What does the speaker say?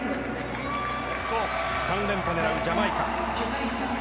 ３連覇狙うジャマイカ。